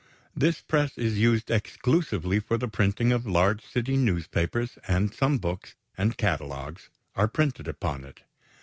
This press is used exclusively for the printing of large city newspapers, and some books, and catalogues are printed upon it.